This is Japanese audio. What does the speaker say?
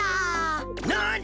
なに！？